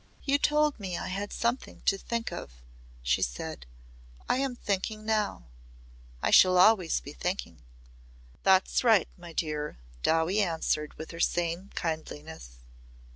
"You told me I had something to think of," she said. "I am thinking now. I shall always be thinking." "That's right, my dear," Dowie answered her with sane kindliness.